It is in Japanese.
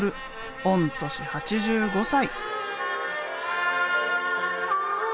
御年８５歳。